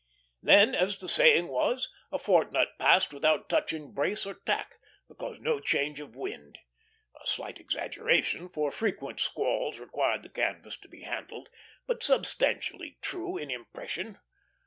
Then, as the saying was, a fortnight passed without touching brace or tack, because no change of wind; a slight exaggeration, for frequent squalls required the canvas to be handled, but substantially true in impression.